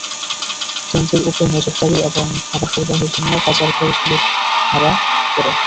ক্যাম্পের ওপর নজরদারি এবং খাবার সরবরাহের জন্য পাচারকারীরা লোক ভাড়া করে।